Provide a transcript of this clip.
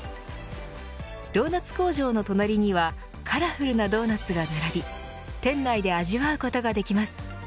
ドーナツ工場の隣にはカラフルなドーナツが並び店内で味わうことができます。